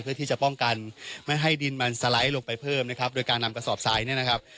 เพื่อที่จะป้องกันไม่ให้ดินมันสไลด์ลงไปเพิ่มนะครับโดยการนำกระสอบทรายเนี่ยนะครับ